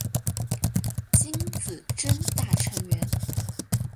金子真大成员。